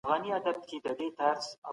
خدمت کول لوی افتخار دی.